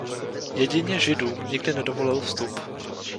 Jedině židům nikdy nedovolil vstup.